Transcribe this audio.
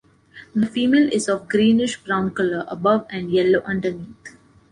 The female is of greenish brown color above and yellow underneath.